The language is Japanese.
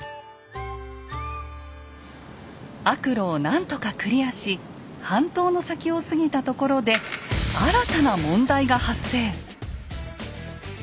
悪路を何とかクリアし半島の先を過ぎたところで新たな問題が発生！